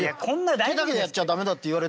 手だけでやっちゃ駄目だっていわれてるから。